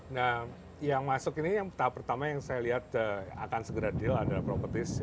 nah yang masuk ini yang tahap pertama yang saya lihat akan segera deal adalah properties